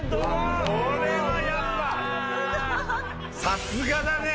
さすがだね！